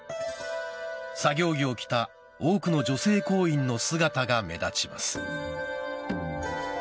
作業着を着た多くの女性工員の姿が目立ちます。